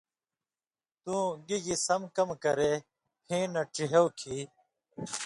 تُوں گی گی سم کمہۡ کرے پھېں نہ ڇِہېو کھیں،